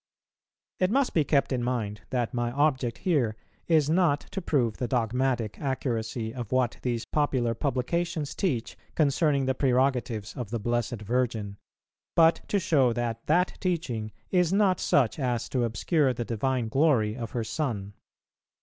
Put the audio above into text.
[436:1] It must be kept in mind that my object here is not to prove the dogmatic accuracy of what these popular publications teach concerning the prerogatives of the Blessed Virgin, but to show that that teaching is not such as to obscure the divine glory of her Son.